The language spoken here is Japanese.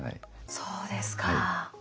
そうですか。